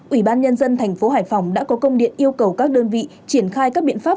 ủy ban nhân dân thành phố hải phòng đã có công điện yêu cầu các đơn vị triển khai các biện pháp